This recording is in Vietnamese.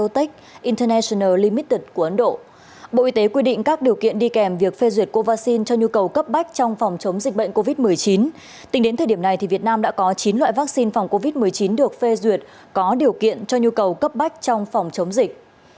tính đến thời điểm này việt nam đã có chín loại vaccine phòng covid một mươi chín được phê duyệt có điều kiện cho nhu cầu cấp bách trong phòng chống dịch